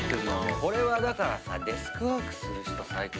これはだからさデスクワークする人最高じゃん。